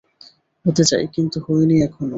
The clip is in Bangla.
হতে চাই, কিন্তু হইনি এখনও।